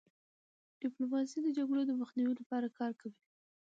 ډيپلوماسي د جګړو د مخنیوي لپاره کار کوي.